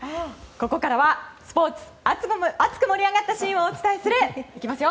ここからはスポーツ熱く盛り上がったシーンをお伝えするいきますよ！